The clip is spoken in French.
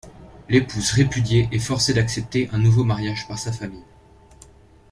L'épouse répudiée est forcée d'accepter un nouveau mariage par sa famille.